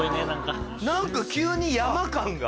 何か急に山感が。